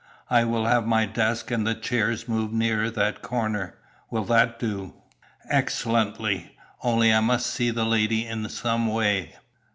I will have my desk and the chairs moved nearer that corner. Will that do?" "Excellently; only I must see the lady in some way."